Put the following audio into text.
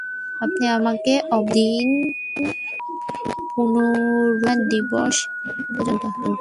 আপনি আমাকে অবকাশ দিন পুনরুত্থান দিবস পর্যন্ত।